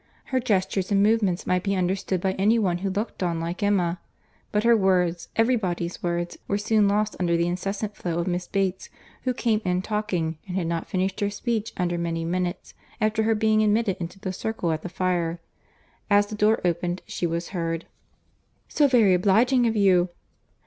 Her gestures and movements might be understood by any one who looked on like Emma; but her words, every body's words, were soon lost under the incessant flow of Miss Bates, who came in talking, and had not finished her speech under many minutes after her being admitted into the circle at the fire. As the door opened she was heard, "So very obliging of you!